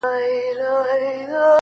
• يارانو راټوليږی چي تعويذ ورڅخه واخلو.